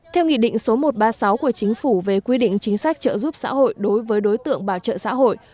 theo nghị định số một trăm ba mươi sáu của chính phủ về quy định chính sách trợ giúp xã hội đối với đối tượng bảo trợ xã hội